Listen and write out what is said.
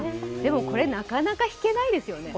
これ、なかなか弾けないですよね。